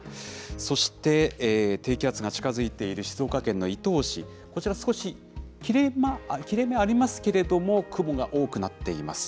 そして、低気圧が近づいている静岡県の伊東市、こちら少し切れ目ありますけれども、雲が多くなっています。